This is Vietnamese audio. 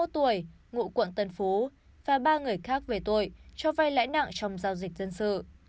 ba mươi một tuổi ngụ quận tân phú và ba người khác về tội cho vai lãi nặng trong giao dịch dân sự